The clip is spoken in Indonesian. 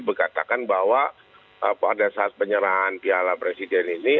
berkatakan bahwa pada saat penyerahan piala presiden ini